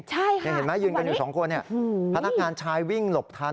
ยังเห็นไหมยืนกันอยู่๒คนพนักงานชายวิ่งหลบทัน